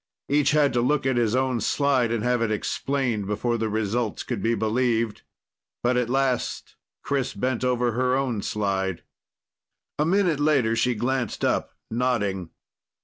Each had to look at his own slide and have it explained before the results could be believed. But at last Chris bent over her own slide. A minute later she glanced up, nodding.